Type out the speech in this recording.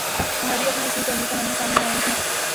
بھاری رقمیں وصول کرنے کی کہانیاں سامنے آئی تھیں